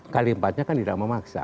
kali empatnya kan tidak memaksa